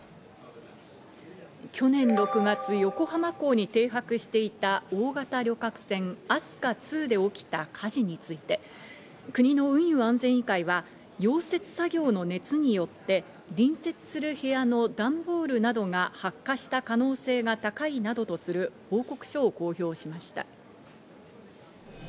去年６月、横浜港に停泊していた大型旅客船・飛鳥２で起きた火事について国の運輸安全委員会は溶接作業の熱によって隣接する部屋の段ボールなどが発火した可能性が高いなどとする報告書を公表しました。